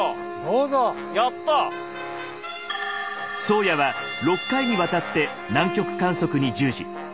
「宗谷」は６回にわたって南極観測に従事。